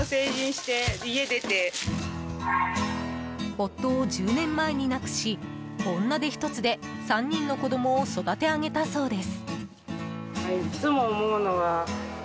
夫を１０年前に亡くし女手ひとつで３人の子供を育て上げたそうです。